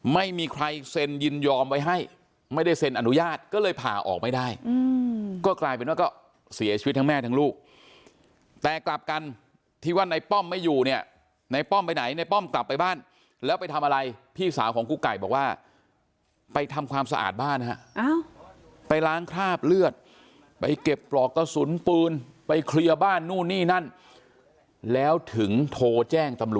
ไม่มีใครเซ็นยินยอมไว้ให้ไม่ได้เซ็นอนุญาตก็เลยผ่าออกไม่ได้ก็กลายเป็นว่าก็เสียชีวิตทั้งแม่ทั้งลูกแต่กลับกันที่ว่าในป้อมไม่อยู่เนี่ยในป้อมไปไหนในป้อมกลับไปบ้านแล้วไปทำอะไรพี่สาวของกุ๊กไก่บอกว่าไปทำความสะอาดบ้านฮะไปล้างคราบเลือดไปเก็บปลอกกระสุนปืนไปเคลียร์บ้านนู่นนี่นั่นแล้วถึงโทรแจ้งตำรวจ